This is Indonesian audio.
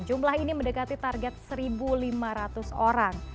jumlah ini mendekati target satu lima ratus orang